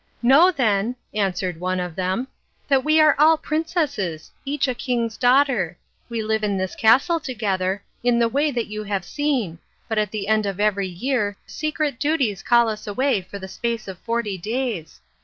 "Know then," answered one of them, "that we are all princesses each a king's daughter. We live in this castle together, in the way that you have seen, but at the end of every year secret duties call us away for the space of forty days.